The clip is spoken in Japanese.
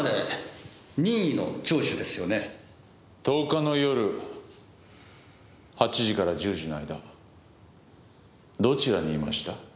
１０日の夜８時から１０時の間どちらにいました？